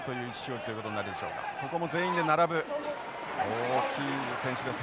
大きい選手です。